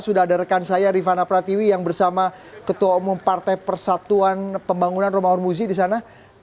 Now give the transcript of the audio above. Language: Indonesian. sudah ada rekan saya rifana pratiwi yang bersama ketua umum partai persatuan pembangunan romahur muzi di sana